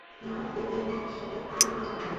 না, ডেভলিনের সাথে কোন আলোচনা হয়নি।